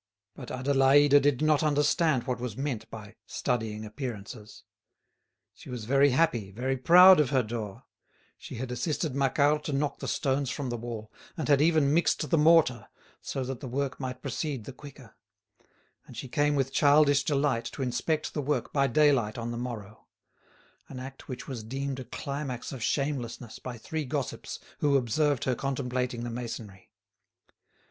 But Adélaïde did not understand what was meant by studying appearances. She was very happy, very proud of her door; she had assisted Macquart to knock the stones from the wall and had even mixed the mortar so that the work might proceed the quicker; and she came with childish delight to inspect the work by daylight on the morrow—an act which was deemed a climax of shamelessness by three gossips who observed her contemplating the masonry.